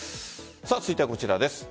続いてはこちらです。